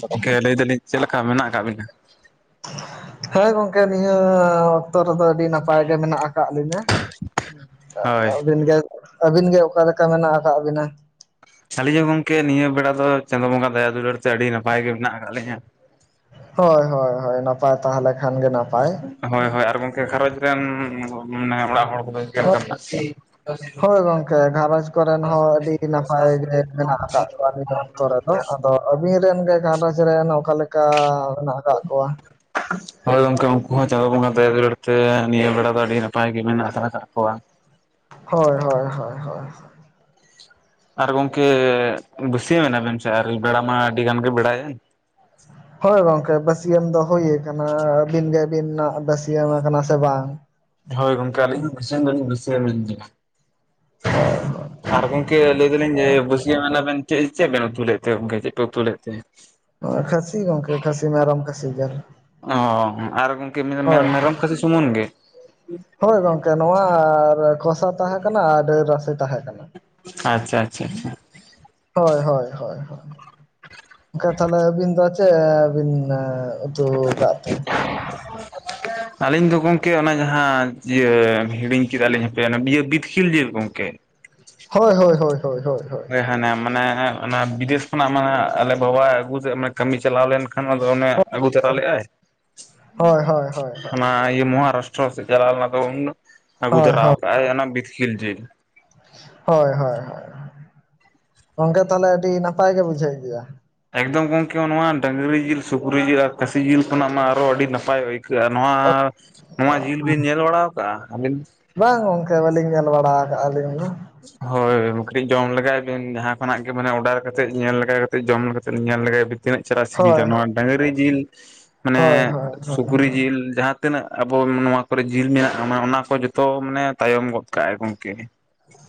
ᱜᱚᱢᱠᱮ ᱞᱟᱹᱭ ᱫᱟᱞᱤᱧ ᱪᱮᱫ ᱞᱮᱠᱟ ᱢᱮᱱᱟᱜ ᱠᱟᱜ ᱵᱤᱱᱟ? ᱦᱮᱸ ᱜᱚᱝᱠᱮ ᱱᱤᱭᱟᱹ ᱚᱠᱛᱚ ᱨᱮᱫᱚ ᱟᱹᱰᱤ ᱱᱟᱯᱟᱭ ᱜᱮ ᱢᱮᱱᱟᱜ ᱟᱠᱟᱫ ᱞᱤᱧᱟᱹ᱾ ᱦᱳᱭ ᱟᱹᱵᱤᱱ ᱜᱮ ᱟᱹᱵᱤᱱ ᱜᱮ ᱚᱠᱟᱞᱮᱠᱟ ᱢᱮᱱᱟᱜ ᱟᱠᱟᱫ ᱵᱤᱱᱟ? ᱟᱹᱞᱤᱧ ᱦᱚᱸ ᱜᱚᱝᱠᱮ ᱱᱤᱭᱟᱹ ᱵᱮᱲᱟ ᱫᱚ ᱪᱟᱸᱫᱳ ᱵᱚᱸᱜᱟ ᱫᱟᱭᱟ ᱫᱩᱞᱟᱹᱲ ᱛᱮ ᱟᱹᱰᱤ ᱱᱟᱯᱟᱭ ᱜᱮ ᱢᱮᱱᱟᱜ ᱟᱠᱟᱫ ᱞᱤᱧᱟᱹ᱾ ᱦᱳᱭ ᱦᱳᱭ ᱦᱳᱭ ᱱᱟᱯᱟᱭ ᱛᱟᱦᱮᱞᱮᱠᱷᱟᱱ ᱜᱮ ᱱᱟᱯᱟᱭ᱾ ᱦᱳᱭ ᱦᱳᱭ ᱟᱨ ᱜᱚᱝᱠᱮ ᱜᱷᱟᱨᱚᱸᱧᱡᱽ ᱨᱮᱱ ᱢᱟᱱᱮ ᱚᱲᱟᱜ ᱦᱚᱲ ᱠᱚᱫᱚ ᱪᱮᱫ ᱞᱮᱠᱟ ᱢᱮᱱᱟᱜ ᱦᱳᱭ ᱠᱚᱣᱟ? ᱜᱚᱝᱠᱮ ᱜᱷᱟᱨᱚᱸᱡᱽ ᱠᱚᱨᱮᱱ ᱦᱚᱸ ᱟᱹᱰᱤ ᱱᱟᱯᱟᱭ ᱜᱮ ᱢᱮᱱᱟᱜ ᱟᱠᱟᱫ [unintelligible] ᱟᱹ ᱚᱠᱛᱚ ᱨᱮᱫᱚ ᱟᱫᱚ ᱟᱵᱤᱱ ᱨᱮᱱ ᱜᱮ ᱜᱷᱟᱨᱚᱸᱡᱽ ᱨᱮᱱ ᱚᱠᱟ ᱞᱮᱠᱟ ᱢᱮᱱᱟᱜ ᱠᱟᱜ ᱠᱚᱣᱟ? [unintelligible] ᱦᱳᱭ ᱜᱚᱝᱠᱮ ᱩᱱᱠᱩ ᱦᱚᱸ ᱪᱟᱸᱫᱳ ᱵᱚᱸᱜᱟ ᱫᱟᱭᱟ ᱫᱩᱞᱟᱹᱲ ᱛᱮ ᱱᱤᱭᱟᱹ ᱵᱮᱲᱟ ᱫᱚ ᱟᱹᱰᱤ ᱱᱟᱯᱟᱭ ᱜᱮ ᱢᱮᱱᱟᱜ ᱠᱟᱜ ᱠᱚᱣᱟ᱾ ᱦᱳᱭ ᱦᱳᱭ ᱦᱳᱭ ᱟᱨ ᱜᱚᱝᱠᱮ ᱵᱟ. ᱥᱭᱟᱹᱢ ᱱᱟᱵᱤᱱ ᱥᱮ ᱟᱣᱨᱤ ᱵᱮᱲᱟ ᱢᱟ ᱟᱹᱰᱤ ᱜᱟᱱ ᱜᱮ ᱵᱮᱲᱟᱭᱮᱱ? ᱦᱳᱭ ᱜᱚᱝᱠᱮ ᱵᱟᱹᱥᱭᱟᱹᱢ ᱫᱚ ᱦᱳᱭᱠᱟᱱᱟ, ᱟᱹᱵᱤᱱ ᱜᱮᱵᱤᱱ ᱱᱟᱜ ᱵᱟᱹᱥᱭᱟᱹᱢ ᱟᱠᱟᱱᱟ ᱥᱮ ᱵᱟᱝ? ᱦᱳᱭ ᱜᱚᱝᱠᱮ ᱟᱹᱞᱤᱧ ᱦᱚᱸ ᱵᱟᱹᱥᱭᱟᱹᱢ ᱫᱚᱞᱤᱧ ᱵᱟᱹᱥᱭᱟᱹᱢ ᱮᱱ ᱜᱮᱭᱟ᱾ ᱟᱨ ᱜᱚᱝᱠᱮ ᱞᱟᱹᱭ ᱫᱟᱞᱤᱧ ᱡᱮ ᱵᱟᱹᱥᱭᱟᱹᱢ ᱮᱱᱟ ᱵᱮᱱ ᱪᱮᱫ ᱪᱮᱫ ᱵᱮᱱ ᱩᱛᱩ ᱞᱮᱫ ᱛᱮ ᱜᱚᱢᱠᱮ ᱪᱮᱫ ᱯᱮ ᱩᱛᱩ ᱞᱮᱫ ᱛᱮ? [unintelligible] ᱠᱷᱟᱹᱥᱤ ᱜᱚᱝᱠᱮ ᱠᱷᱟᱹᱥᱤ ᱢᱮ ᱟᱨᱚᱢ ᱠᱷᱟᱹᱥᱤ ᱡᱮᱞ ᱚ ᱟᱨ ᱜᱚᱢᱠᱮ ᱢᱮ ᱢᱮᱨᱚᱢ ᱠᱷᱟᱹᱥᱤ ᱥᱩᱢᱩᱱ ᱜᱮ? ᱦᱳᱭ ᱜᱚᱝᱠᱮ ᱱᱚᱣᱟ ᱠᱚᱥᱟ ᱛᱟᱦᱮᱸ ᱠᱟᱱᱟ ᱟᱨ ᱰᱟᱹᱞ ᱨᱟᱥᱮ ᱛᱟᱦᱮᱸ ᱠᱟᱱᱟ᱾ ᱟᱪᱪᱷᱟ ᱟᱪᱪᱷᱟ ᱟᱪᱪᱷᱟ ᱦᱳᱭ ᱦᱳᱭ ᱦᱳᱭ ᱦᱳᱭ, [unintelligible] ᱛᱟᱦᱚᱞᱮ ᱟᱵᱤᱱ ᱫᱚ ᱛᱮᱫ ᱵᱤᱱ ᱩᱛᱩ ᱠᱟᱫ ᱛᱮ? [unintelligible] ᱟᱹᱞᱤᱧ ᱫᱚ ᱜᱚᱢᱠᱮ ᱚᱱᱟ ᱡᱟᱦᱟᱸ ᱤᱭᱟᱹ ᱦᱤᱲᱤᱧ ᱠᱮᱫᱟ ᱞᱤᱧ ᱦᱟᱯᱮ ᱚᱱᱟ ᱵᱤᱛᱠᱤᱞ ᱡᱮᱞ ᱜᱚᱢᱠᱮ᱾ ᱦᱳᱭ ᱦᱳᱭ ᱦᱳᱭ ᱦᱳᱭ ᱦᱟᱱᱮ ᱢᱟᱱᱮ ᱚᱱᱟ ᱵᱤᱫᱮᱥ ᱠᱷᱚᱱᱟᱜ ᱢᱟᱱᱮ ᱟᱞᱮ ᱵᱟᱵᱟ ᱟᱹᱜᱩ ᱥᱮᱫ ᱢᱟᱱᱮ ᱠᱟᱹᱢᱤ ᱪᱟᱞᱟᱣ ᱞᱮᱱᱠᱷᱟᱱ ᱟᱫᱚ ᱚᱱᱮ ᱟᱹᱜᱩ ᱛᱚᱨᱟ ᱞᱮᱫᱟᱭ, ᱦᱳᱭ ᱦᱳᱭ ᱦᱳᱭ ᱦᱳᱭ ᱚᱱᱟ ᱤᱭᱟᱹ ᱢᱚᱦᱟᱨᱟᱥᱴᱨᱚ ᱥᱮᱫ ᱪᱟᱞᱟᱣ ᱞᱮᱱᱟ ᱛᱚ ᱩᱱ ᱟᱹᱜᱩ ᱦᱳᱭ ᱛᱚᱨᱟ ᱦᱳᱭ ᱟᱠᱟᱫᱼᱟᱭ ᱚᱱᱟ ᱵᱤᱛᱠᱤᱞ ᱡᱮᱞ᱾ ᱦᱳᱭ ᱦᱳᱭ ᱦᱳᱭ, ᱜᱚᱝᱠᱮ ᱛᱟᱦᱚᱞᱮ ᱟᱹᱰᱤ ᱱᱟᱯᱟᱭ ᱜᱮ ᱵᱩᱡᱷᱟᱹᱜ ᱜᱮᱭᱟ? ᱮᱠᱫᱚᱢ ᱜᱚᱝᱠᱮ ᱱᱚᱣᱟ ᱰᱟᱹᱝᱨᱤ ᱡᱤᱞ ᱥᱩᱠᱨᱤ ᱡᱤᱞ ᱟᱨ ᱠᱟᱹᱥᱤ ᱡᱤᱞ ᱠᱷᱚᱱᱟᱜ ᱢᱟ ᱟᱨᱚ ᱟᱹᱰᱤ ᱱᱟᱯᱟᱭ ᱟᱹᱭ ᱱᱚᱣᱟ ᱱᱚᱣᱟ ᱡᱤᱞ ᱵᱤᱱ ᱧᱮᱞ ᱵᱟᱲᱟ ᱠᱟᱜᱼᱟ, ᱟᱹᱵᱤᱱ? ᱵᱟᱝ ᱜᱚᱝᱠᱮ ᱵᱟᱹᱞᱤᱧ ᱧᱮᱞ ᱵᱟᱲᱟ ᱠᱟᱜᱼᱟ ᱟᱞᱤᱧ ᱫᱚ ᱾ ᱦᱳᱭ [unintelligible] ᱡᱚᱢ ᱞᱮᱜᱟᱭ ᱵᱤᱱ ᱡᱟᱦᱟᱸ ᱠᱷᱚᱱᱟᱜ ᱜᱮ ᱢᱟᱱᱮ ᱚᱰᱟᱨ ᱠᱟᱛᱮ ᱧᱮᱞ ᱞᱮᱜᱟ ᱠᱟᱛᱮᱫ ᱡᱚᱢ ᱠᱟᱛᱮ ᱧᱮᱞ ᱞᱮᱜᱟᱭ ᱵᱤᱱ ᱾ ᱛᱤᱱᱟᱹᱜ ᱪᱮᱦᱨᱟ ᱥᱤᱵᱤᱞᱟ, ᱦᱳᱭ ᱱᱚᱣᱟ ᱰᱟᱸᱝᱨᱤ ᱡᱤᱞ ᱢᱟᱱᱮ ᱦᱳᱭ ᱦᱳᱭ ᱦᱳᱭ ᱥᱩᱠᱨᱤ ᱡᱤᱞ ᱡᱟᱦᱟᱸ ᱛᱤᱱᱟᱹᱜ ᱟᱵᱚ ᱱᱚᱣᱟ ᱠᱚᱨᱮ ᱡᱤᱞ ᱢᱮᱱᱟᱜᱼᱟ ᱢᱟᱱᱮ ᱚᱱᱟ ᱠᱚ ᱡᱚᱛᱚ ᱢᱟᱱᱮ ᱛᱟᱭᱚᱢ ᱜᱚᱫ ᱠᱟᱜᱼᱟᱭ ᱜᱚᱢᱠᱮ᱾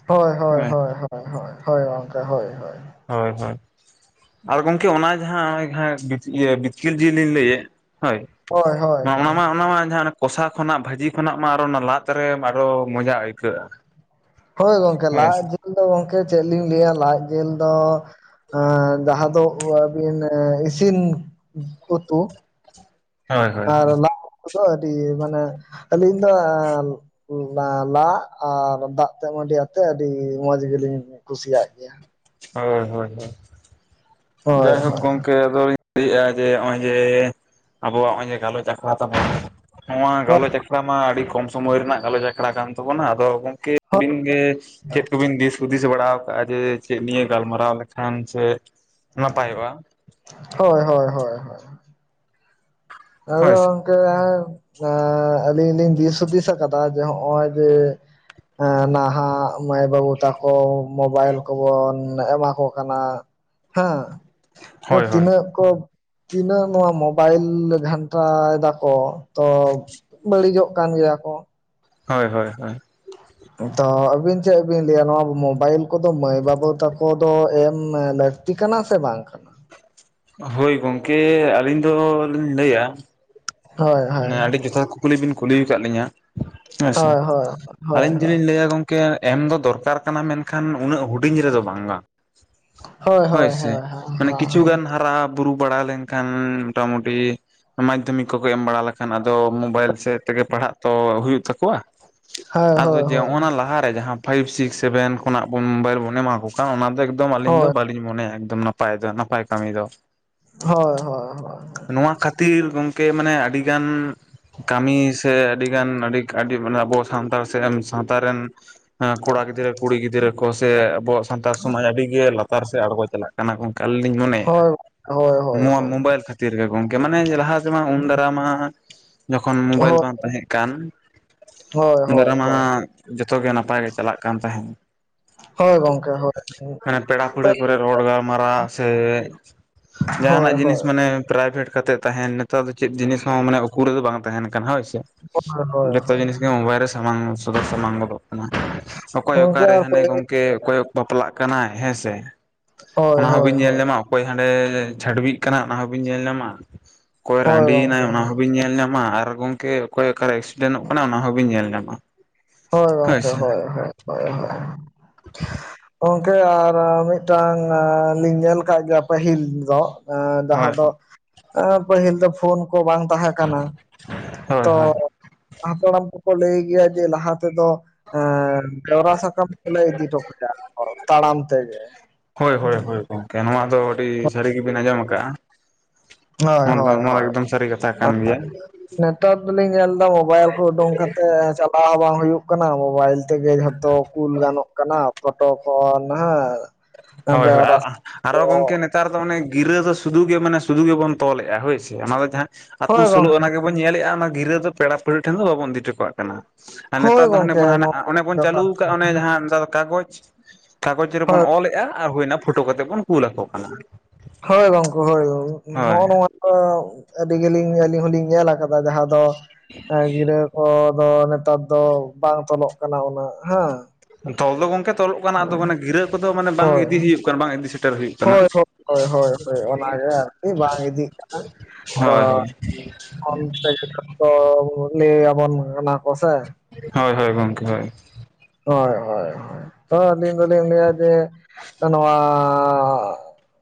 ᱦᱳᱭ ᱦᱳᱭ ᱦᱳᱭ ᱦᱳᱭ ᱦᱳᱭ ᱦᱳᱭ ᱦᱳ ᱜᱚᱢᱠᱮ ᱦᱳᱭ ᱦᱳᱭ ᱦᱳᱭ ᱦᱳᱭ ᱟᱨ ᱜᱚᱝᱠᱮ ᱚᱱᱟ ᱡᱟᱦᱟᱸ ᱦᱚᱜᱼᱚᱭ [unintelligible] ᱵᱤᱛ ᱵᱤᱛᱠᱤᱞ ᱡᱤᱞ ᱞᱤᱧ ᱞᱟᱹᱭᱮᱫ ᱦᱳᱭ ᱦᱳᱭ ᱚᱱᱟ ᱦᱳᱭ ᱢᱟ ᱚᱱᱟ ᱢᱟ ᱡᱟᱦᱟᱸ ᱠᱚᱥᱟ ᱠᱷᱚᱱᱟᱜ ᱵᱷᱟᱹᱡᱤ ᱠᱷᱚᱱᱟᱜ ᱢᱟ ᱟᱨᱚ ᱚᱱᱟ ᱞᱟᱫ ᱨᱮ ᱟᱨᱚ ᱢᱚᱡᱟ ᱟᱹᱭᱠᱟᱹᱜᱼᱟ ᱦᱳᱭ ᱜᱚᱝᱠᱮ ᱦᱮᱸ ᱞᱟᱡ ᱥᱮ ᱡᱤᱞ ᱫᱚ ᱜᱚᱝᱠᱮ ᱪᱮᱫ ᱞᱤᱧ ᱞᱟᱹᱭᱟ ᱞᱟᱡ ᱡᱮᱞ ᱫᱚ ᱟ ᱡᱟᱦᱟᱸ ᱫᱚ ᱚ ᱟᱹᱵᱤᱱ ᱤᱥᱤᱱ ᱩᱛᱩ ᱦᱳᱭ ᱦᱳᱭ ᱟᱨ [inaudible] ᱠᱚᱫᱚ ᱟᱹᱰᱤ ᱢᱟᱱᱮ ᱟᱹᱞᱤᱧ ᱫᱚ ᱮᱸ ᱞᱟ ᱞᱟᱫ ᱟᱨ ᱫᱟᱜ ᱛᱮ ᱢᱟᱹᱰᱤ ᱟᱛᱮ ᱟᱹᱰᱤ ᱢᱚᱸᱡᱽ ᱜᱮᱞᱤᱧ ᱠᱩᱥᱤᱭᱟᱜ ᱜᱮᱭᱟ। ᱦᱳᱭ ᱦᱳᱭ ᱦᱳᱭ ᱦᱳᱭ ᱡᱟᱭᱦᱳᱠ ᱦᱳᱭ ᱜᱚᱝᱠᱮ ᱟᱫᱚᱞᱤᱧ ᱞᱟᱹᱭᱮᱜᱼᱟ ᱡᱮ ᱱᱚᱜᱼᱚᱭ ᱡᱮ ᱟᱵᱚᱣᱟᱜ ᱱᱚᱜᱼᱚᱭ ᱡᱮ ᱜᱟᱞᱚᱪ ᱟᱠ [unintelligible] ᱛᱟᱵᱚᱱ, ᱱᱚᱣᱟ ᱜᱟᱞᱚᱪ ᱟᱠᱷᱲᱟ ᱢᱟ ᱟᱹᱰᱤ ᱠᱚᱢ ᱥᱚᱢᱚᱭ ᱨᱮᱱᱟᱜ ᱜᱟᱞᱚᱪ ᱟᱠᱷᱲᱟ ᱠᱟᱱ ᱛᱟᱵᱚᱱᱟ ᱟᱫᱚ ᱜᱚᱝᱠᱮ ᱟᱹᱵᱤᱱ ᱜᱮ ᱪᱮᱫ ᱠᱚᱵᱤᱱ ᱫᱤᱥ ᱦᱩᱫᱤᱥ ᱵᱟᱲᱟ ᱠᱟᱜᱼᱟ ᱡᱮ ᱪᱮᱫ ᱱᱤᱭ ᱜᱟᱞᱢᱟᱨᱟᱣ ᱞᱮᱠᱷᱟᱱ ᱥᱮ ᱱᱟᱯᱟᱭᱚᱜᱼᱟ ᱦᱳᱭ ᱦᱳᱭ ᱦᱳᱭ [unintelligible] ᱦᱳᱭ ᱟᱫᱚ ᱥᱮ [unintelligible] ᱟᱹᱞᱤᱧ ᱞᱤᱧ ᱫᱤᱥ ᱦᱩᱫᱤᱥ ᱟᱠᱟᱫᱟ ᱡᱮ ᱦᱚᱜᱼᱚᱭ ᱡᱮ ᱦᱮᱸ, ᱱᱟᱦᱟᱜ ᱢᱟᱹᱭ ᱵᱟᱹᱵᱩ ᱛᱟᱠᱚ ᱢᱳᱵᱟᱭᱤᱞ ᱠᱚᱵᱚᱱ ᱮᱢᱟ ᱠᱚ ᱠᱟᱱᱟ᱾ ᱦᱮᱸ, ᱦᱳᱭ ᱦᱳᱭ ᱛᱤᱱᱟᱹᱜ ᱠᱚ ᱛᱤᱱᱟᱹᱜ ᱱᱚᱣᱟ ᱢᱳᱵᱟᱭᱤᱞ ᱜᱷᱟᱱᱴᱟᱭ ᱫᱟᱠᱚ ᱛᱚ ᱵᱟᱹᱲᱤᱡᱚᱜ ᱠᱟᱱ ᱜᱮᱭᱟ ᱠᱚ᱾ ᱦᱳᱭ ᱦᱳᱭ ᱦᱳᱭ᱾ ᱛᱚ ᱟᱹᱵᱤᱱ ᱪᱮᱫ ᱵᱤᱱ ᱞᱟᱹᱭᱟ ᱱᱚᱣᱟ ᱢᱳᱵᱟᱭᱤᱞ ᱠᱚᱫᱚ ᱢᱟᱹᱭ ᱵᱟᱹᱵᱩ ᱛᱟᱠᱚ ᱫᱚ ᱮᱢ ᱞᱟᱠ ᱛᱤ ᱠᱟᱹᱱᱟ ᱥᱮ ᱵᱟᱝ ᱠᱟᱱᱟ᱾ ᱦᱳᱭ ᱜᱚᱝᱠᱮ ᱟᱹᱞᱤᱧ ᱫᱚ ᱞᱤᱧ ᱞᱟᱹᱭᱟ ᱦᱳᱭ ᱦᱳᱭ ᱢᱟᱱᱮ ᱟᱹᱰᱤ ᱡᱚᱛᱷᱟᱛ ᱠᱩᱠᱞᱤ ᱵᱤᱱ ᱠᱩᱞᱤ ᱟᱠᱟᱫ ᱞᱤᱧᱟ ᱦᱮᱸᱥᱮ ᱦᱳᱭ ᱦᱳᱭ ᱦᱳᱭ ᱟᱹᱞᱤᱧ ᱡᱤᱞᱤᱧ ᱞᱟᱹᱭᱟ ᱜᱚᱝ ᱠᱮ ᱮᱢ ᱫᱚ ᱫᱚᱨᱠᱟᱨ ᱠᱟᱱᱟ ᱢᱮᱱᱠᱷᱟᱱ ᱩᱱᱟᱹᱜ ᱦᱩᱰᱤᱧ ᱨᱮᱫᱚ ᱵᱟᱝᱼᱟ᱾ ᱦᱳᱭ ᱥᱮ, ᱢᱟᱱᱮ ᱠᱤᱪᱷᱩ ᱜᱟᱱ ᱦᱟᱨᱟ ᱵᱩᱨᱩ ᱵᱟᱲᱟ ᱞᱮᱱᱠᱷᱟᱱ ᱢᱚᱴᱟᱢᱩᱴᱤ ᱢᱟᱫᱽᱫᱷᱚᱢᱤᱠ ᱠᱚᱠᱚ ᱮᱢ ᱵᱟᱲᱟ ᱵᱟᱠᱷᱟᱱ ᱟᱫᱚ ᱢᱳᱵᱟᱭᱤᱞ ᱥᱮᱫ ᱛᱮᱜᱮ ᱯᱟᱲᱦᱟᱜ ᱛᱚ ᱦᱩᱭᱩᱜ ᱛᱟᱠᱚᱣᱟ᱾ ᱦᱳᱭ ᱦᱳᱭ ᱟᱫᱚ ᱦᱳᱭ ᱡᱮ ᱚᱱᱟ ᱞᱟᱦᱟ ᱨᱮ ᱡᱟᱦᱟᱸ ᱯᱷᱟᱭᱤᱵᱽ ᱥᱤᱠᱥ ᱥᱮᱵᱷᱮᱱ ᱠᱷᱚᱱᱟᱜ ᱵᱚᱱ ᱢᱳᱵᱟᱭᱤᱞ ᱵᱚᱱ ᱮᱢᱟ ᱠᱚ ᱚᱱᱟ ᱫᱚ ᱮᱠᱫᱚᱢ ᱟᱞᱤᱧ ᱫᱚ ᱵᱟᱞᱤᱧ ᱢᱚᱱᱮᱭᱟ ᱮᱠᱫᱚᱢ ᱱᱟᱯᱟᱭ ᱫᱚ ᱱᱟᱯᱟᱭ ᱠᱟᱹᱢᱤ ᱫᱚ᱾ ᱦᱚᱭ ᱦᱚᱭ ᱦᱚᱭ᱾ ᱱᱚᱣᱟ ᱠᱷᱟᱹᱛᱤᱨ ᱜᱚᱝᱠᱮ ᱢᱟᱱᱮ ᱟᱹᱰᱤ ᱜᱟᱱ ᱠᱟᱢᱤ ᱥᱮ ᱟᱹᱰᱤᱜᱟᱱ ᱟᱹᱰᱤ ᱟᱹᱰᱤ ᱢᱟᱱᱮ ᱟᱵᱚ ᱥᱟᱱᱛᱟᱲ ᱥᱮᱱ ᱥᱟᱶᱛᱟ ᱨᱮᱱ ᱠᱚᱲᱟ ᱜᱤᱫᱽᱨᱟᱹ ᱠᱩᱲᱤ ᱜᱤᱫᱽᱨᱟᱹ ᱠᱚ ᱥᱮ ᱟᱵᱚᱣᱟᱜ ᱥᱟᱱᱛᱟᱲ ᱥᱚᱢᱟᱡᱽ ᱟᱹᱰᱤᱜᱮ ᱞᱟᱛᱟᱨ ᱥᱮᱜ ᱟᱬᱜᱚ ᱪᱟᱞᱟᱜ ᱠᱟᱱᱟ ᱜᱚᱝ ᱠᱟᱞ ᱞᱤᱧ ᱢᱚᱱᱮᱭᱮᱜᱼᱟ ᱦᱳᱭ ᱦᱳᱭ ᱦᱳᱭ ᱱᱚᱣᱟ ᱦᱳᱭ ᱢᱳᱵᱟᱭᱤᱞ ᱠᱷᱟᱛ ᱛᱤᱨᱜᱮ ᱜᱚᱝᱠᱮ ᱢᱟᱱᱮ ᱞᱟᱦᱟ ᱛᱮᱢᱟ ᱩᱱ ᱫᱟᱨᱟ ᱢᱟ ᱡᱚᱠᱷᱚᱱ ᱦᱳᱭ ᱢᱳᱵᱟᱭᱤᱞ ᱵᱟᱝ ᱛᱟᱦᱮᱜ ᱠᱟᱱ ᱦᱳᱭ ᱦᱳᱭ ᱫᱟᱨᱟ ᱢᱟᱱᱟ ᱦᱳᱭ ᱡᱚᱛᱚᱜᱮ ᱱᱟᱯᱟᱭ ᱜᱮ ᱪᱟᱞᱟᱜ ᱠᱟᱱ ᱛᱟᱦᱮᱸᱱ᱾ ᱦᱳᱭ ᱜᱚᱝᱠᱮ, ᱦᱳᱭ᱾ ᱦᱮᱸ, ᱯᱮᱲᱟ ᱯᱟᱹᱲᱦᱟᱹ ᱠᱚᱨᱮ ᱨᱚᱲ ᱜᱟᱞᱢᱟᱨᱟᱣ ᱥᱮ ᱦᱳᱭ ᱡᱟᱦᱟᱱᱟᱜ ᱦᱳᱭ ᱡᱤᱱᱤᱥ ᱢᱟᱱᱮ ᱯᱨᱟᱭᱵᱷᱮᱴ ᱠᱟᱛᱮᱫ ᱛᱟᱦᱮᱱ ᱱᱮᱛᱟᱨ ᱫᱚ ᱪᱤᱱ ᱦᱚᱸ ᱢᱟᱱᱮ ᱩᱠᱩ ᱨᱮᱫᱚ ᱵᱟᱝ ᱛᱟᱦᱮᱱ ᱠᱟᱱᱟ ᱦᱚᱭᱥᱮ, ᱦᱳᱭ ᱡᱚᱛᱚ ᱡᱤᱱᱤᱥ ᱦᱳᱭ ᱢᱳᱵᱟᱭᱤᱞ ᱨᱮ ᱥᱟᱢᱟᱝ ᱥᱚᱫᱚᱨ ᱥᱟᱢᱟᱝ ᱜᱚᱫᱚᱜ ᱠᱟᱱᱟ ᱚᱠᱚᱭ ᱜᱚᱝᱠᱮ ᱚᱠᱟᱨᱮ ᱟᱯᱮ ᱦᱟᱱᱮ ᱜᱚᱝ ᱠᱮ ᱚᱠᱚᱭ ᱵᱟᱯᱞᱟᱜ ᱠᱟᱱᱟᱭ ᱦᱮᱸ ᱥᱮ ᱦᱳᱭ ᱚᱱᱟ ᱦᱳᱭ ᱦᱚᱸᱵᱤᱱ ᱧᱮᱞ ᱦᱳᱭ ᱧᱟᱢᱟ᱾ ᱚᱠᱚᱭ ᱦᱟᱸᱰᱮ ᱪᱷᱟᱹᱰᱭᱣᱜ ᱠᱟᱱᱟᱭ ᱚᱱᱟ ᱦᱚᱸᱵᱤᱱ ᱧᱮᱞ ᱧᱟᱢᱟ ᱚᱠᱚᱭ ᱦᱳᱭ ᱨᱟᱰᱤᱭᱮᱱᱟᱭ᱾ ᱜᱚᱝᱠᱮ ᱦᱳᱭ ᱧᱮᱞ ᱧᱟᱢᱟ ᱟᱨ ᱜᱚᱝᱠᱮ ᱚᱠᱚᱭ ᱚᱠᱟᱨᱮ ᱮᱠᱥᱤᱰᱮᱱᱚᱜ ᱠᱟᱱᱟ ᱚᱱᱟ ᱦᱚᱸᱵᱤᱱ ᱧᱮᱞ ᱧᱟᱢᱟ᱾ ᱦᱚᱭ ᱦᱳᱭ ᱜᱚᱝᱠᱮ ᱥᱮ ᱦᱚᱭ ᱦᱚᱭ ᱦᱚᱭ ᱜᱚᱝᱠᱮ ᱟᱨ ᱢᱤᱫᱴᱟᱝ ᱞᱤᱧ ᱧᱮᱞ ᱟᱠᱟᱜ ᱜᱮᱭᱟ ᱯᱟᱹᱦᱤᱞ ᱫᱚ ᱦᱳᱭ ᱡᱟᱦᱟᱸ ᱫᱚ ᱯᱟᱹᱦᱤᱞ ᱫᱚ ᱯᱷᱳᱱ ᱠᱚ ᱵᱟᱝ ᱛᱟᱦᱮᱸ ᱠᱟᱱᱟ ᱦᱳᱭ ᱛᱚ ᱦᱳᱭ ᱦᱟᱯᱲᱟᱢ ᱠᱚᱠᱚ ᱞᱟᱹᱭ ᱜᱮᱭᱟ ᱡᱮ ᱞᱟᱦᱟᱛ ᱛᱮᱫᱚ ᱮᱸᱻ ᱠᱟᱭᱨᱟ ᱥᱟᱠᱟᱢ ᱛᱮᱞᱮ ᱤᱫᱤ ᱴᱚᱠᱟᱭᱟ ᱛᱟᱲᱟᱢ ᱛᱮᱜᱮ᱾ ᱠᱮ ᱱᱚᱣᱟ ᱫᱚ ᱟᱹᱰᱤ ᱥᱟᱹᱨᱤ ᱜᱮᱵᱤᱱ ᱟᱸᱡᱚᱢ ᱠᱟᱜᱼᱟ᱾ ᱦᱳᱭ [unintelligible] ᱦᱳᱭ ᱱᱚᱣᱟ ᱫᱚ ᱦᱳᱭ ᱮᱠᱫᱚᱢ ᱥᱟᱹᱨᱤ ᱠᱟᱛᱷᱟ ᱠᱟᱱ ᱜᱮᱭᱟ᱾ ᱱᱮᱛᱟᱨ ᱫᱩᱞᱤᱧ ᱧᱮᱞ ᱮᱫᱟ ᱢᱳᱵᱟᱭᱤᱞ ᱠᱚ ᱩᱰᱩᱝ ᱠᱟᱛᱮᱜ ᱪᱟᱞᱟᱣ ᱦᱚᱸ ᱵᱟᱝ ᱦᱩᱭᱩᱜ ᱠᱟᱱᱟ, ᱢᱚᱵᱟᱭᱤᱞ ᱛᱮᱜᱮ ᱡᱷᱚᱛᱚ ᱠᱩᱞ ᱜᱟᱱᱚᱜ ᱠᱟᱱᱟ, ᱯᱷᱚᱴᱚ ᱠᱚ ᱱᱟᱦᱟᱜ᱾ ᱦᱳᱭ ᱦᱳᱭ, ᱟᱨ ᱟᱨᱚ ᱜᱚᱝᱠᱮ ᱱᱮᱛ ᱱᱮᱛᱟᱨ ᱫᱚ ᱚᱱᱮ ᱜᱤᱨᱟᱹ ᱫᱚ ᱥᱩᱫᱩ ᱜᱮ ᱢᱟᱱᱮ ᱥᱩᱫᱩ ᱜᱮᱵᱚᱱ ᱛᱚᱞᱮᱜᱼᱟ, ᱦᱳᱭᱥᱮ ᱚᱱᱟ ᱫᱚ ᱡᱟᱦᱟᱸ ᱟᱛᱩ ᱦᱳᱭ ᱥᱳᱞᱳ ᱜᱚᱝᱠᱮ ᱟᱱᱟ ᱜᱮᱵᱚᱱ ᱧᱮᱞᱮᱜᱼᱟ ᱚᱱᱟ ᱜᱤᱨᱟᱹ ᱫᱚ ᱯᱮᱲᱟ ᱯᱟᱹᱲᱦᱟᱹ ᱴᱷᱮᱱ ᱫᱚ ᱵᱟᱵᱚᱱ ᱤᱫᱤ ᱦᱚᱴᱚ ᱠᱟᱜ ᱠᱟᱱᱟ᱾ ᱟᱨ ᱦᱳᱭ ᱱᱮᱛᱟᱨ ᱫᱚ ᱦᱟᱱᱮ ᱜᱚᱝᱠᱮ ᱵᱚᱱ ᱦᱟᱱᱮ ᱱᱚᱣᱟ ᱚᱱᱮ ᱵᱚᱱ ᱪᱟᱹᱞᱩ ᱡᱚᱛᱷᱟᱛ ᱟᱠᱟᱜ ᱠᱟᱛᱷᱟ ᱚᱱᱮ ᱡᱟᱦᱟᱸ ᱱᱮᱛᱟᱨ ᱫᱚ ᱠᱟᱜᱚᱡᱽ ᱠᱟᱜᱚᱡᱽ ᱦᱳᱭ ᱨᱮᱵᱚᱱ ᱚᱞ ᱮᱜᱼᱟ ᱟᱨ ᱦᱳᱭᱱᱟ ᱯᱷᱳᱴᱳ ᱠᱟᱛᱮᱫ ᱵᱚᱱ ᱠᱩᱞ ᱟᱠᱚ ᱠᱟᱱᱟ᱾ ᱦᱳᱭ ᱜᱚᱝᱠᱮ ᱦᱳᱭ [inaudible] ᱦᱳᱭ ᱱᱚᱜᱼᱚ ᱱᱚᱣᱟ ᱴᱟᱜ ᱟᱹᱰᱤ ᱜᱮᱞᱤᱧ ᱟᱹᱞᱤᱧ ᱦᱚ ᱞᱤᱧ ᱧᱮᱞ ᱟᱠᱟᱫᱟ᱾ ᱚᱱᱟ ᱡᱟᱦᱟᱸ ᱫᱚ ᱮᱸ ᱜᱤᱨᱟᱹ ᱠᱚ ᱫᱚ ᱱᱮᱛᱟᱨ ᱫᱚ ᱵᱟᱝᱼᱼ ᱛᱚᱞᱚᱜ ᱠᱟᱱᱟ ᱩᱱᱟᱹᱜ ᱦᱮᱸ ᱛᱚᱞ ᱫᱚ ᱜᱚᱝᱠᱮ ᱛᱚᱞᱚᱜ ᱠᱟᱱᱟ ᱟᱫᱚ ᱢᱟᱱᱮ ᱜᱤᱨᱟᱹ ᱠᱚᱫᱚ ᱢᱟᱱᱮ ᱵᱟᱝ ᱦᱳᱭ ᱤᱫᱤ ᱦᱩᱭᱩᱜ ᱠᱟᱱᱟ ᱵᱟᱝ ᱤᱫᱤ ᱥᱮᱴᱮᱨ ᱦᱩᱭᱩᱜ ᱠᱟᱱᱟ᱾ ᱦᱳᱭ ᱦᱳᱭ ᱦᱳᱭ ᱦᱳᱭ ᱚᱱᱟᱜᱮ ᱟᱨᱠᱤ ᱵᱟᱝ ᱤᱫᱤᱜ ᱠᱟᱱᱟ᱾ ᱛᱚ ᱦᱳᱭ ᱦᱳᱭ ᱚᱱᱛᱮ ᱞᱟᱹᱭ ᱟᱵᱚᱱ ᱠᱟᱱᱟ ᱠᱚ ᱥᱮ᱾ ᱦᱳᱭ ᱦᱳᱭ ᱜᱚᱢᱠᱮ ᱦᱳᱭ᱾ ᱦᱳᱭ ᱦᱳᱭ ᱦᱳᱭ ᱛᱚ ᱟᱹᱞᱤᱧ ᱫᱚᱞᱤᱧ ᱞᱟᱹᱭᱟ ᱡᱮ ᱱᱚᱣᱟ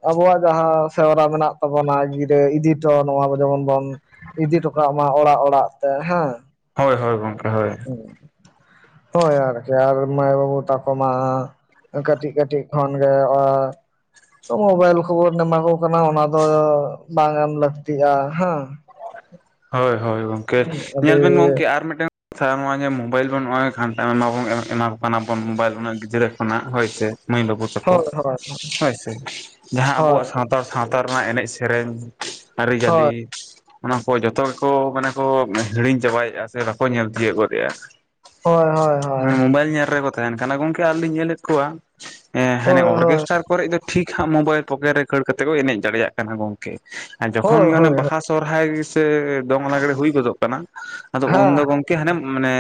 ᱟᱵᱚᱣᱟᱜ ᱡᱟᱦᱟᱸ ᱥᱮᱨᱣᱟ ᱢᱮᱱᱟᱜ ᱛᱟᱵᱚᱱᱟ ᱜᱤᱨᱟᱹ ᱤᱫᱤᱴᱚ ᱱᱚᱣᱟ ᱡᱮᱢᱚᱱ ᱵᱚᱱ᱾ ᱤᱫᱤ ᱴᱚᱠᱟᱜ ᱢᱟ ᱚᱲᱟᱜ ᱚᱲᱟᱜ ᱛᱮ ᱦᱮᱸ᱾ ᱦᱳᱭ ᱦᱳᱭ ᱜᱚᱢᱠᱮ ᱦᱳᱭ᱾ ᱦᱳᱭ ᱟᱨᱠᱤ ᱟᱨ ᱢᱟᱭ ᱵᱟᱹᱵᱩ ᱛᱟᱠᱚ ᱢᱟ ᱠᱟᱹᱴᱤᱡ ᱠᱟᱹᱴᱤᱡ ᱠᱷᱚᱱᱜᱮ ᱚᱻ ᱢᱳᱵᱟᱭᱤᱞ ᱠᱚᱵᱚᱱ ᱮᱢᱟ ᱠᱚ ᱠᱟᱱᱟ ᱚᱱᱟ ᱫᱚ ᱵᱟᱝ ᱮᱢ ᱞᱟᱹᱠᱛᱤᱜᱼᱟ ᱦᱮᱸ᱾ ᱦᱳᱭ ᱦᱳᱭ ᱜᱚᱝᱠᱮ ᱟᱹᱰᱤ ᱧᱮᱞ ᱵᱮᱱ ᱜᱚᱢᱠᱮ ᱟᱨ ᱢᱤᱫᱴᱮᱱ [unintelligible] ᱱᱚᱜᱼᱚᱭ ᱡᱮ ᱢᱳᱵᱟᱭᱤᱞ ᱵᱚᱱ ᱱᱚᱜᱼᱚᱭ ᱜᱷᱟᱱᱴᱟ ᱮᱢᱟ ᱵᱚᱱ [inaudible] ᱮᱢᱟ ᱠᱚ ᱠᱟᱱᱟ ᱵᱚᱱ ᱢᱳᱵᱟᱭᱤᱞ ᱩᱱᱟᱹᱜ ᱜᱤᱫᱽᱨᱟᱹᱼᱼ ᱚᱱᱟ ᱦᱳᱭ ᱥᱮ ᱢᱟᱹᱭ ᱵᱟᱹᱵᱩ ᱛᱟᱠᱚ ᱦᱳᱭ ᱦᱳᱭ ᱦᱳᱭ ᱥᱮ ᱡᱟᱦᱟᱸ ᱦᱳᱭ ᱟᱵᱚᱣᱟᱜ ᱥᱟᱶᱼᱼ ᱥᱟᱱᱛᱟᱲ ᱥᱟᱶᱛᱟ ᱨᱮᱱᱟᱜ ᱮᱱᱮᱡ ᱥᱮᱨᱮᱧ ᱟᱹᱨᱤᱪᱟᱹᱞᱤ ᱦᱳᱭ ᱚᱱᱟ ᱠᱚ ᱡᱚᱛᱚ ᱜᱮᱠᱚ ᱢᱟᱱᱮ ᱠᱚ ᱦᱤᱲᱤᱧ ᱪᱟᱵᱟᱭᱮᱫᱼᱟ ᱥᱮ ᱵᱟᱠᱚ ᱧᱮᱞ ᱛᱤᱭᱳᱜ ᱜᱚᱫᱮᱜᱼᱟ᱾ ᱦᱳᱭ ᱦᱚᱭ ᱦᱚᱭ᱾ ᱢᱳᱵᱟᱭᱤᱞ ᱧᱮᱞ ᱨᱮᱜᱮ ᱠᱚ ᱛᱟᱦᱮᱱ ᱠᱟᱱᱟ ᱜᱚᱝᱠᱮ ᱟᱨ ᱞᱤᱧ ᱧᱮᱞᱮᱫ ᱠᱚᱣᱟ ᱮᱸ ᱦᱟᱱᱮ ᱦᱳᱭ ᱦᱳᱭ ᱚᱨᱠᱮᱥᱴᱟᱨᱼᱼ ᱠᱚᱨᱮ ᱫᱚ ᱴᱷᱤᱠ ᱦᱟᱸᱜ ᱢᱳᱵᱟᱭᱤᱞ ᱯᱚᱠᱮᱴ ᱨᱮ ᱠᱷᱟᱹᱲ ᱠᱟᱛᱮ ᱠᱚ ᱮᱱᱮᱡ ᱫᱟᱲᱮᱭᱟᱜ ᱠᱟᱱᱟ ᱜᱚᱝᱠᱮ ᱟᱨ ᱡᱚᱠᱷᱚᱱ ᱦᱳᱭ ᱜᱮ ᱚᱱᱮ ᱦᱳᱭ ᱵᱟᱦᱟᱼᱼ ᱥᱚᱨᱦᱟᱭ ᱥᱮ ᱫᱚᱝ ᱞᱟᱜᱽᱲᱮ ᱦᱩᱭ ᱜᱚᱫᱚᱜ ᱠᱟᱱᱟ ᱟᱫᱚ ᱩᱱᱫᱚ ᱦᱮᱸ ᱜᱚᱝᱠᱮᱼᱼ ᱩᱱᱠᱤᱢ [inaudible] ᱦᱟᱱᱮᱢ ᱢᱟᱱᱮ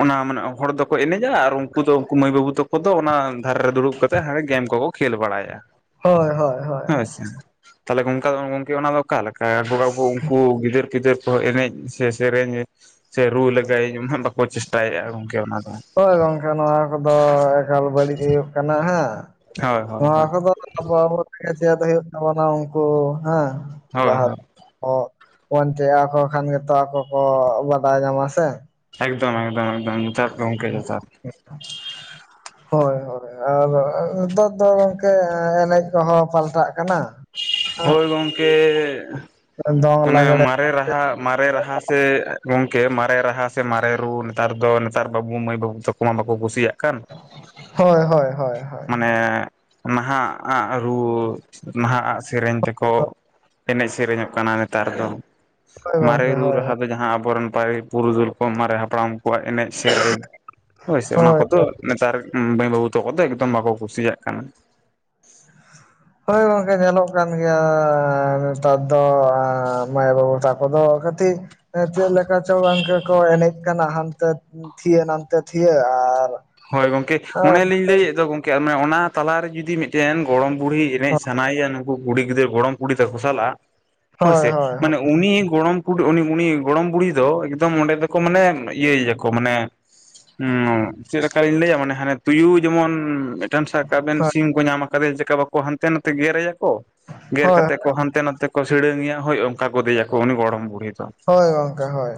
ᱚᱱᱟ ᱢᱟᱱᱮ ᱦᱚᱲ ᱫᱚᱠᱚ ᱮᱱᱮᱡᱟ ᱟᱨ ᱩᱱᱠᱩ ᱫᱚ ᱩᱱᱠᱩ ᱢᱟᱹᱭ ᱵᱟᱹᱵᱩ ᱛᱟᱠᱚ ᱫᱚ ᱚᱱᱟ ᱫᱷᱟᱨᱮ ᱨᱮ ᱫᱩᱲᱩᱵ ᱠᱟᱛᱮᱫ ᱦᱟᱸᱰᱮ ᱜᱮᱢ ᱠᱚᱠᱚ ᱠᱷᱮᱞ ᱵᱟᱲᱟᱭᱟ ᱦᱳᱭ ᱦᱳᱭ ᱦᱳᱭ ᱦᱮᱸ ᱥᱮ᱾ ᱛᱟᱦᱚᱞᱮ [unintelligible] ᱜᱚᱝᱠᱮ ᱚᱱᱟ ᱫᱚ ᱚᱠᱟ ᱞᱮᱠᱟ ᱵᱚᱸᱜᱟᱼᱼ ᱠᱩ ᱩᱱᱠᱩ ᱜᱤᱫᱟᱹᱨ ᱯᱤᱫᱟᱹᱨ ᱠᱚ ᱮᱱᱮᱡ ᱥᱮ ᱥᱮᱨᱮᱧ ᱥᱮ ᱨᱩ ᱞᱮᱜᱟᱭᱟᱹᱧ ᱚᱱᱟ ᱵᱟᱠᱚ ᱠᱚ ᱪᱮᱥᱴᱟ ᱭᱮᱫᱟ ᱜᱚᱝᱠᱮ ᱚᱱᱟ ᱫᱚ ᱦᱳᱭ ᱜᱚᱝᱠᱮ ᱱᱚᱣᱟ ᱠᱚᱫᱚ ᱮᱠᱟᱞ ᱵᱟᱹᱲᱤᱡ ᱦᱩᱭᱩᱜ ᱠᱟᱱᱟ ᱦᱮᱸ ᱦᱳᱭ ᱦᱳᱭ ᱱᱚᱣᱟ ᱦᱳᱭ ᱠᱚᱫᱚ ᱟᱵᱚ ᱟᱵᱚ [inaudible] ᱪᱮᱫ ᱦᱩᱭᱩᱜ ᱛᱟᱵᱚᱱᱟ ᱩᱱᱠᱩ ᱦᱮᱸ ᱦᱳᱭ ᱞᱟᱦᱟ ᱦᱳᱭ ᱚ ᱚᱱᱛᱮ [inaudible] ᱟᱠᱚ ᱠᱷᱟᱱ ᱜᱮᱛᱚ ᱟᱠᱚ ᱠᱚ ᱵᱟᱰᱟᱭ ᱧᱟᱢᱟ ᱥᱮ, ᱮᱠᱫᱚᱢ ᱮᱠᱫᱚᱢ ᱮᱠᱫᱚᱢ ᱡᱚᱛᱷᱟᱫ ᱜᱚᱢᱠᱮ ᱡᱚᱛᱷᱟᱫ ᱾ [inaudible] ᱦᱳᱭ ᱦᱳᱭ ᱟᱨ ᱱᱮᱛᱟᱨ ᱫᱚ ᱜᱚᱝᱠᱮ ᱮᱱᱮᱡ ᱠᱚᱦᱚᱸ ᱯᱟᱞᱴᱟᱜ ᱠᱟᱱᱟ᱾ ᱦᱳᱭ ᱜᱚᱝᱠᱮ ᱦᱮᱸ ᱫᱚᱝ ᱢᱟᱱᱮ ᱢᱟᱼᱼ ᱞᱟᱜᱽᱲᱮ ᱢᱟᱨᱮ ᱨᱟᱦᱟ ᱢᱟᱨᱮ ᱨᱟᱦᱟ ᱥᱮ ᱜᱚᱝᱠᱮ ᱢᱟᱨᱮ ᱨᱟᱦᱟ ᱥᱮ ᱢᱟᱨᱮ ᱨᱩ ᱱᱮᱛᱟᱨ ᱫᱚ ᱱᱮᱛᱟᱨ ᱵᱟᱹᱵᱩ ᱢᱟᱹᱭ ᱵᱟᱹᱵᱩ ᱛᱟᱠᱚ ᱠᱚ ᱢᱟ ᱵᱟᱠᱚ ᱠᱩᱥᱤᱭᱟᱜ ᱠᱟᱱ᱾ ᱦᱚᱭ ᱦᱚᱭ ᱦᱚᱭ ᱦᱚᱭ᱾ ᱢᱟᱱᱮ ᱱᱟᱦᱟᱜ ᱟᱜ ᱨᱩ ᱱᱟᱦᱟᱜ ᱟᱜ ᱥᱮᱨᱮᱧ ᱛᱮᱠᱚ ᱮᱱᱮᱡ ᱥᱮᱨᱮᱧᱚᱜ ᱠᱟᱱᱟ ᱱᱮᱛᱟᱨ ᱫᱚ ᱦᱳᱭ ᱢᱟᱨᱮ ᱜᱚᱝᱠᱮ ᱨᱩ ᱦᱳᱭ ᱨᱟᱦᱟ ᱫᱚ ᱡᱟᱦᱟᱸ ᱟᱵᱚᱨᱮᱱ ᱯᱼᱼ ᱯᱩᱨᱩᱫᱩᱞ ᱠᱚ ᱢᱟᱨᱮ ᱦᱟᱯᱲᱟᱢ ᱠᱚᱣᱟᱜ ᱮᱱᱮᱡ ᱥᱮᱨᱮᱧ ᱦᱳᱭ ᱥᱮ ᱚᱱᱟ ᱠᱚᱫᱚ ᱱᱮᱛᱟᱨᱼᱼ ᱢᱟᱹᱭ ᱵᱟᱹᱵᱩ ᱛᱟᱠᱚ ᱫᱚ ᱮᱠᱫᱚᱢ ᱵᱟᱠᱚ ᱠᱩᱥᱤᱭᱟᱜ ᱠᱟᱱᱟ᱾ ᱦᱳᱭ ᱜᱚᱝᱠᱮ ᱧᱮᱞᱚᱜ ᱠᱟᱱ ᱜᱮᱭᱟ ᱱᱮᱛᱟᱨ ᱫᱚ ᱢᱟᱹᱭ ᱵᱟᱹᱵᱩ ᱛᱟᱠᱚ ᱫᱚ ᱠᱟᱹᱴᱤᱡᱼᱼ ᱪᱮᱫ ᱞᱮᱠᱟ ᱪᱚ ᱜᱚᱝᱠᱮ ᱠᱚ ᱮᱱᱮᱡ ᱠᱟᱱᱟᱢ ᱦᱟᱱ ᱛᱮ ᱛᱷᱤᱭᱟᱹ ᱱᱟᱛᱮ ᱛᱷᱤᱭᱟᱹ ᱟᱨᱼᱼ ᱦᱳᱭ ᱜᱚᱝᱠᱮ ᱚᱱᱮᱞᱤᱧ ᱞᱟᱹᱭᱮᱫ ᱫᱚ ᱜᱚᱢᱠᱮ ᱚᱱᱟ ᱛᱟᱞᱟᱨᱮ ᱡᱩᱫᱤ ᱢᱤᱼᱼ ᱢᱤᱫᱴᱮᱱ ᱜᱚᱲᱚᱢ ᱵᱩᱲᱦᱤ ᱮᱱᱮᱡ ᱥᱟᱱᱟᱭᱮᱭᱟ ᱱᱩᱠᱩ ᱠᱩᱲᱤ ᱜᱤᱫᱟᱹᱨᱟ ᱜᱚᱲᱚᱢ ᱠᱩᱲᱤ ᱛᱟᱠᱚ ᱥᱟᱞᱟᱜᱼᱟ ᱦᱳᱭ ᱥᱮ ᱢᱟᱱᱮ ᱩᱱᱤ ᱜᱚᱲᱚᱢ ᱠᱩ ᱩᱱᱤ ᱜᱚᱲᱚᱢ ᱵᱩᱲᱦᱤ ᱫᱚ ᱮᱠᱫᱚᱢ ᱚᱸᱰᱮ ᱫᱚᱠᱚ ᱢᱟᱱᱮ ᱤᱭᱟᱹᱭ ᱟᱠᱚ ᱢᱟᱱᱮ ᱪᱮᱫᱞᱮᱠᱟᱞᱤᱧ ᱞᱟᱹᱭᱟ ᱢᱟᱱᱮ ᱦᱟᱱᱮ ᱛᱩᱭᱩ ᱡᱮᱢᱚᱱ ᱢᱤᱫᱴᱟᱝ ᱥᱟᱵ ᱠᱟᱵᱮᱱ ᱦᱳᱭ ᱥᱤᱢ ᱧᱟᱢ ᱟᱠᱟᱫᱮᱭᱟ ᱪᱮᱠᱟ ᱵᱟᱠᱚ ᱦᱟᱱᱛᱮ ᱱᱟᱛᱮ ᱜᱮᱨᱮᱭᱟ ᱠᱚ ᱜᱮᱨ ᱦᱳᱭ ᱠᱟᱛᱮ ᱠᱚ ᱦᱟᱱᱛᱮ ᱱᱟᱛᱮ ᱠᱚ ᱥᱤᱲᱟᱹᱝᱮᱭᱟ ᱦᱳᱭ ᱚᱱᱠᱟ ᱠᱚ ᱫᱮᱭᱟᱠᱚ ᱩᱱᱤ ᱜᱚᱲᱚᱢ ᱵᱩᱲᱦᱤ ᱫᱚ ᱦᱳᱭ ᱜᱚᱝᱠᱮ ᱦᱳᱭ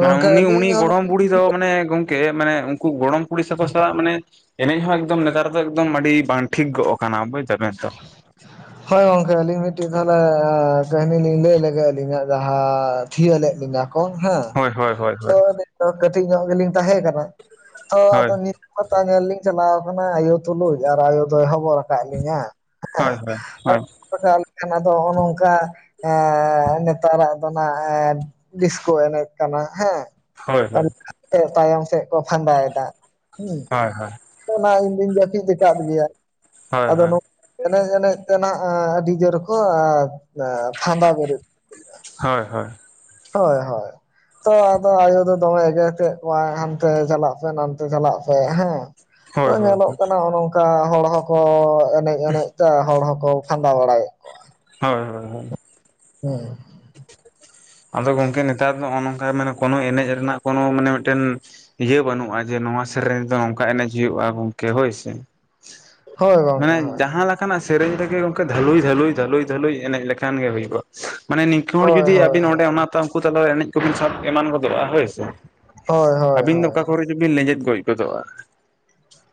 ᱢᱟᱱᱮ ᱜᱚᱝᱠᱮ ᱩᱱᱤ ᱩᱱᱤ ᱟᱹᱞᱤᱧ ᱦᱚᱸ ᱜᱚᱲᱚᱢ ᱵᱩᱲᱦᱤ ᱫᱚ ᱢᱟᱱᱮ ᱜᱚᱝ ᱮ ᱢᱟᱱᱮ ᱩᱱᱠᱩ ᱜᱚᱲᱚᱢ ᱠᱩᱲᱤ ᱥᱟᱠᱚ ᱥᱟᱞᱟᱜ ᱢᱟᱱᱮ ᱮᱱᱮᱡ ᱦᱚᱸ ᱮᱠᱫᱚᱢ ᱱᱮᱛᱟᱨ ᱫᱚ ᱮᱠᱫᱚᱢ ᱟᱹᱰᱤ ᱵᱟᱝ ᱴᱷᱤᱠ ᱜᱚᱜ ᱠᱟᱱᱟ ᱵᱩᱡ ᱫᱟᱵᱮᱱ ᱛᱚ ᱦᱳᱭ ᱜᱚᱝᱠᱮ ᱟᱹᱞᱤᱧ ᱢᱤᱫᱴᱤᱡ ᱛᱟᱦᱚᱞᱮ ᱠᱟᱹᱦᱱᱤ ᱞᱤᱧ ᱞᱟᱹᱭ ᱞᱮᱜᱮ ᱟᱹᱞᱤᱧᱟᱜ ᱡᱟᱦᱟᱸ ᱛᱷᱤᱭ ᱞᱮᱫ ᱞᱤᱧᱟ ᱦᱮᱸ ᱦᱳᱭ ᱦᱳᱭ ᱦᱳᱭ ᱦᱳᱭ ᱛᱚ ᱠᱟᱹᱴᱤᱡ ᱧᱚᱜ ᱜᱮᱞᱤᱧ ᱛᱟᱦᱮᱸ ᱠᱟᱱᱟ ᱛᱚ ᱦᱳᱭ ᱟᱫᱚ ᱦᱳᱭᱛᱚ ᱧᱮᱞ ᱞᱤᱧ ᱪᱟᱞᱟᱣ ᱟᱠᱟᱱᱟ ᱟᱭᱳ ᱛᱩᱞᱩᱡ ᱟᱨ ᱟᱭᱳ ᱫᱚᱭ ᱦᱚᱵᱚᱨ ᱟᱠᱟᱫ ᱞᱤᱧᱟ ᱦᱳᱭ ᱦᱳᱭ ᱦᱳᱭ ᱯᱟᱠᱟᱣ ᱞᱮᱠᱷᱟᱱ ᱟᱫᱚ ᱱᱚᱜᱼᱚ ᱱᱚᱝᱠᱟ ᱮ ᱱᱮᱛᱟᱨᱟᱜ ᱫᱚ ᱱᱟᱜ ᱰᱤᱥᱠᱳ ᱮᱱᱮᱡ ᱠᱟᱱᱟ ᱦᱳᱭ ᱦᱮᱸ ᱛᱟᱭᱚᱢ ᱥᱮᱫ ᱠᱚ ᱯᱷᱟᱸᱫᱟᱭᱫᱟ ᱦᱮᱸ ᱦᱳᱭ ᱦᱳᱭ ᱦᱳᱭ ᱚᱱᱟ ᱤᱧᱫᱩᱧ ᱡᱟᱹᱯᱤᱫ ᱟᱠᱟᱫ ᱜᱮᱭᱟ ᱦᱳᱭ ᱦᱳᱭ ᱦᱳᱭ ᱟᱫᱚ ᱮᱱᱮᱡ ᱮᱱᱮᱡ ᱛᱮᱱᱟᱜ ᱟᱹᱰᱤ ᱡᱳᱨ ᱠᱚ ᱯᱷᱟᱸᱫᱟ ᱵᱮᱨᱮᱫ ᱦᱳᱭ ᱦᱳᱭ ᱦᱳᱭ ᱦᱳᱭ ᱛᱚ ᱟᱫᱚ ᱟᱭᱳ ᱫᱚ ᱫᱚᱢᱮ ᱮᱜᱮᱨ ᱠᱮᱫ ᱠᱚᱣᱟᱭ ᱦᱟᱱᱛᱮ ᱪᱟᱞᱟᱜ ᱯᱮ ᱱᱚᱛᱮ ᱪᱟᱞᱟᱜ ᱯᱮ ᱦᱮᱸ ᱦᱳᱭ ᱧᱮᱞᱚᱜ ᱦᱳᱭ ᱠᱟᱱᱟᱜᱼ ᱱᱚᱝᱠᱟ ᱦᱚᱲ ᱦᱚᱸᱠᱚ ᱮᱱᱮᱡ ᱮᱱᱮᱡ ᱛᱮ ᱦᱚᱲ ᱦᱚᱸᱠᱚ ᱯᱷᱟᱸᱫᱟ ᱵᱟᱲᱟᱭᱮᱫ ᱦᱳᱭ ᱦᱳᱭ ᱦᱳᱭ ᱦᱮᱸ ᱟᱫᱚ ᱜᱚᱝᱠᱮ ᱱᱮᱛᱟᱨ ᱫᱚ ᱱᱚᱜ ᱱᱚᱝᱠᱟ ᱠᱳᱱᱳ ᱮᱱᱮᱡ ᱨᱮᱱᱟᱜ ᱠᱳᱱᱚ ᱢᱟᱱᱮ ᱢᱤᱫᱴᱮᱱ ᱤᱭᱟᱹ ᱵᱟᱹᱱᱩᱜᱼᱟ ᱡᱮ ᱱᱚᱣᱟ ᱥᱮᱨᱮᱧ ᱨᱮᱫᱚ ᱱᱚᱝᱠᱟ ᱮᱱᱮᱡ ᱦᱩᱭᱩᱜᱼᱟ ᱜᱚᱝᱠᱮ ᱦᱳᱭ ᱥᱮ ᱦᱳᱭ ᱜᱚᱝᱠᱮ ᱢᱟᱱᱮ ᱦᱳᱭ ᱡᱟᱦᱟᱸ ᱞᱮᱠ ᱚᱱᱟᱠᱟᱱᱟᱜ ᱥᱮᱨᱮᱧ ᱨᱮᱜᱮ ᱜᱚᱝᱠᱮ ᱫᱷᱟᱹᱞᱩᱭ ᱫᱷᱟᱹ ᱞᱩᱭ ᱫᱷᱟᱹᱞᱩᱭ ᱫᱷᱟᱹᱞᱩᱭ ᱮᱱᱮᱡ ᱞᱮᱠᱷᱟᱱ ᱜᱮ ᱦᱩᱭᱩᱜᱼᱟ ᱢᱟᱱᱮ ᱱᱤᱝᱠᱟ ᱦᱚᱲ ᱦᱳᱭ ᱡᱩᱫᱤ ᱦᱳᱭ ᱚᱸ ᱦᱳᱭ ᱚᱱᱟ ᱩᱱᱠᱩ ᱛᱟᱞᱟ ᱨᱮ ᱮᱱᱮᱡ ᱠᱚᱵᱤᱱ ᱥᱟᱵ ᱮᱢᱟᱱ ᱜᱚᱫᱚᱜᱼᱟ ᱦᱳᱭᱥᱮ ᱦᱳᱭ ᱦᱳᱭ ᱟᱵᱤᱱ ᱫᱚ ᱚᱠᱟ ᱠᱚᱨᱮ ᱪᱩᱵᱤᱱ ᱞᱮᱸᱡᱮᱫ ᱜᱚᱡ ᱜᱚᱫᱚᱜᱼᱟ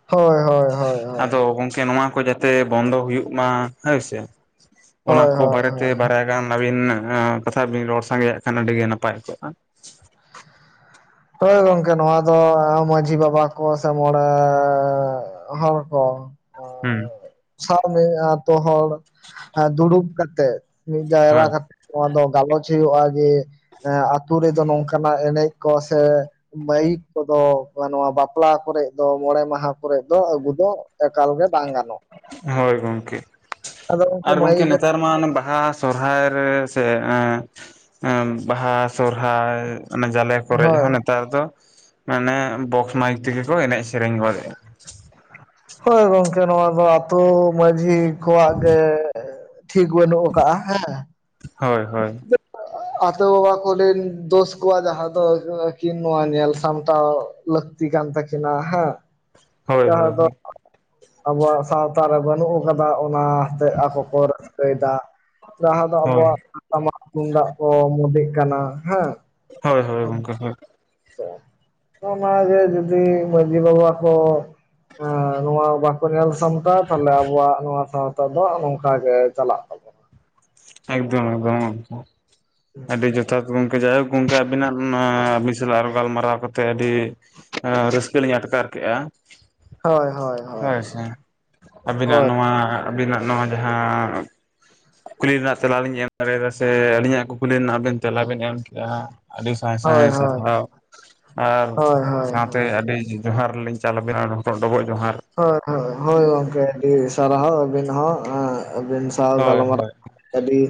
ᱦᱳᱭ ᱦᱳᱭ ᱦᱳᱭ ᱦᱳᱭ ᱟᱫᱚ ᱜᱚᱝᱠᱮ ᱱᱚᱣᱟ ᱠᱚ ᱡᱟᱛᱮ ᱵᱚᱱᱫᱚ ᱦᱩᱭᱩᱜ ᱢᱟ ᱦᱳᱭ ᱥᱮ ᱚᱱᱟ ᱦᱳᱭ ᱠᱚ ᱦᱳᱭ ᱵᱟᱨᱮ ᱛᱮ ᱦᱳᱭ ᱵᱟᱨᱭᱟ ᱜᱟᱱ ᱟᱹᱵᱤᱱ ᱠᱟᱛᱷᱟ ᱵᱤᱱ ᱨᱚᱲ ᱥᱟᱸᱜᱮᱭᱟᱜ ᱠᱷᱟᱱ ᱟᱹᱰᱤ ᱜᱮ ᱱᱟᱯᱟᱭ ᱠᱚᱜ-ᱟ ᱦᱳᱭ ᱜᱚᱝᱠᱮ ᱱᱚᱣᱟ ᱫᱚ ᱢᱟᱺᱡᱷᱤ ᱵᱟᱵᱟ ᱠᱚ ᱥᱮ ᱢᱚᱬᱮ ᱦᱚᱲ ᱠᱚ ᱦᱩ ᱥᱟᱶ ᱢᱤᱫ ᱟᱛᱳ ᱦᱚᱲ ᱫᱩᱲᱩᱵ ᱠᱟᱛᱮᱜ ᱢᱤᱫ ᱡᱟᱭᱨᱟ ᱦᱳᱭ ᱠᱟᱛᱮᱜ ᱱᱚᱣᱟ ᱫᱚ ᱜᱟᱞᱚᱪ ᱦᱩᱭᱩᱜᱼᱟ ᱡᱮ ᱮ ᱟᱹᱛᱩ ᱨᱮᱫᱚ ᱱᱚᱝᱠᱟᱱᱟᱜ ᱮᱱᱮᱡ ᱠᱚ ᱥᱮ ᱢᱟᱭᱤᱠ ᱠᱚᱫᱚ ᱵᱟ ᱱᱚᱣᱟ ᱵᱟᱯᱞᱟ ᱠᱚᱨᱮ ᱫᱚ ᱢᱚᱬᱮ ᱢᱟᱦᱟ ᱠᱚᱨᱮ ᱫᱚ ᱟᱹᱜᱩ ᱫᱚ ᱮᱠᱟᱞ ᱜᱮ ᱵᱟᱝ ᱜᱟᱱᱚᱜᱼᱟ ᱦᱳᱭ ᱜᱚᱝᱠᱮ ᱟᱫᱚ ᱟᱨ ᱜᱚᱝᱠᱮ ᱢᱟᱹᱭᱤᱠ ᱱᱮᱛᱟᱨ ᱢᱟ ᱚᱱᱮ ᱵᱟᱦᱟ ᱥᱚᱨᱦᱟᱭ ᱨᱮ ᱥᱮ ᱵᱟᱦᱟ ᱥᱚᱨᱦᱟᱭ ᱚᱱᱟ ᱡᱟᱞᱮ ᱠᱚᱨᱮᱫ ᱦᱳᱭ ᱦᱚᱸ ᱱᱮᱛᱟᱨ ᱫᱚ ᱢᱟᱱᱮ ᱵᱚᱠᱥ ᱢᱟᱭᱤᱠ ᱛᱮᱜᱤ ᱠᱚ ᱮᱱᱮᱡ ᱥᱮᱨᱮᱧ ᱜᱚᱫᱮᱜᱼᱟ [inaudible] ᱦᱳᱭ ᱜᱚᱢᱠᱮ ᱱᱚᱣᱟ ᱫᱚ ᱟᱹᱛᱩ ᱢᱟᱺᱡᱷᱤ ᱠᱚᱣᱟᱜ ᱜᱮ ᱴᱷᱤᱠ ᱵᱟᱹᱱᱩᱜ ᱟᱠᱟᱜᱼᱟ ᱦᱮᱸ ᱾ ᱦᱳᱭ ᱦᱳᱭ ᱾ [inaudible] ᱟᱛᱳ ᱵᱟᱵᱟ ᱠᱚᱞᱤᱱ ᱫᱳᱥ ᱠᱚᱣᱟ ᱡᱟᱦᱟᱸ ᱫᱚ ᱠᱤᱱ ᱱᱚᱣᱟ ᱧᱮᱞ ᱥᱟᱢᱴᱟᱣ ᱞᱟᱹᱠ ᱛᱤ ᱠᱟᱱ ᱛᱟᱠᱤᱱᱟ ᱦᱮᱸ [inaudible] ᱦᱳᱭ ᱡᱟᱦᱟᱸ ᱦᱳᱭ ᱫᱚ ᱟᱵᱚᱣᱟᱜ ᱥᱟᱶᱛᱟ ᱨᱮ ᱵᱟᱹᱱᱩᱜ ᱟᱠᱟᱫᱟ ᱚᱱᱟ ᱛᱮ ᱟᱠᱚ ᱠᱚ ᱨᱟᱹᱥᱠᱟᱹᱭᱮᱫᱟ ᱾ ᱡᱟᱦᱟᱸ ᱫᱚ ᱦᱳᱭ ᱟᱵᱚᱣᱟᱜ ᱴᱟᱢᱟᱠ ᱛᱩᱢᱫᱟᱜ ᱠᱚ ᱢᱳᱫᱮᱜ ᱠᱟᱱᱟ ᱦᱮᱸ ᱾ ᱦᱳᱭ ᱦᱳᱭ ᱜᱚᱝᱠᱮ ᱦᱳᱭ ᱾ [inaudible] ᱚᱱᱟᱜᱮ ᱡᱩᱫᱤ ᱢᱟᱺᱡᱷᱤ ᱵᱟᱵᱟ ᱠᱚ ᱱᱚᱣᱟ ᱵᱟᱠᱚ ᱧᱮᱞ ᱥᱟᱢᱴᱟᱣᱟ, ᱛᱟᱦᱞᱮ ᱟᱵᱚᱣᱟᱜ ᱱᱚᱣᱟ ᱥᱟᱶᱛᱟ ᱫᱚ ᱱᱚᱝᱠᱟ ᱜᱮ ᱪᱟᱞᱟᱜ ᱛᱟᱵᱚᱱᱟ ᱾ ᱮᱠᱫᱚᱢ ᱮᱠᱫᱚᱢ ᱜᱚᱝᱠᱮ [inaudible] ᱟᱹᱰᱤ ᱡᱚᱛᱷᱟᱛ ᱜᱚᱝᱠᱮ ᱡᱟᱭ ᱦᱳᱠ ᱾ ᱜᱚᱝᱠᱮ ᱟᱵᱤᱱᱟᱜ ᱟᱸᱻ ᱟᱵᱤᱱ ᱥᱟᱞᱟᱜ ᱟᱨᱚ ᱜᱟᱞᱢᱟᱨᱟᱣ ᱠᱟᱛᱮᱜ ᱟᱹᱰᱤ ᱮᱻ ᱨᱟᱹᱥᱠᱟᱹ ᱞᱤᱧ ᱟᱴᱠᱟᱨ ᱠᱮᱜᱼᱟ ᱾ [inaudible] ᱦᱳᱭ ᱥᱮ ᱾ ᱟᱹᱵᱤᱱᱟᱜ ᱦᱳᱭ ᱱᱚᱣᱟ ᱟᱹᱵᱤᱱᱟᱜ ᱱᱚᱣᱟ ᱡᱟᱦᱟᱸ ᱠᱩᱠᱞᱤ ᱨᱮᱱᱟᱜ ᱛᱮᱞᱟᱞᱤᱧ ᱮᱢ ᱫᱟᱲᱮᱭᱟᱫᱟ ᱥᱮ ᱟᱹᱞᱤᱧᱟᱜ ᱠᱩᱠᱞᱤ ᱨᱮᱱᱟᱜ ᱟᱵᱮᱱ ᱛᱮᱞᱟ ᱵᱮᱱ ᱮᱢ ᱡᱟᱦᱟᱸ ᱟᱹᱰᱤ ᱥᱟᱸᱭ ᱦᱳᱭ ᱥᱟᱸᱭ ᱦᱳᱭ ᱥᱟᱨᱦᱟᱣ ᱾ ᱟᱨ ᱦᱳᱭ ᱦᱳᱭ ᱦᱳᱭ ᱥᱟᱶᱛᱮ ᱟᱹᱰᱤ ᱡᱚᱦᱟᱨ ᱞᱤᱧ ᱪᱟᱞ ᱟᱵᱮᱱᱟ ᱦᱚᱴᱚᱜ ᱰᱚᱵᱚᱜ ᱡᱚᱦᱟᱨ ᱾ ᱦᱳᱭ ᱦᱳᱭ, ᱦᱳᱭ ᱜᱚᱝᱠᱮ ᱟᱹᱰᱤ ᱥᱟᱨᱦᱟᱣ ᱟᱹᱵᱤᱱ ᱦᱚᱸ ᱟᱹᱵᱤᱱ ᱥᱟᱶ ᱦᱳᱭ ᱜᱟᱞᱢᱟᱨᱟᱣ ᱦᱳᱭ ᱟᱹᱰᱤ